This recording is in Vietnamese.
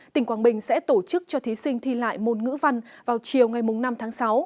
tỉnh quảng bình sẽ tổ chức cho thí sinh thi lại môn ngữ văn vào chiều ngày năm tháng sáu